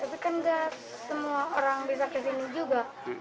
tapi kan gak semua orang bisa ke sini juga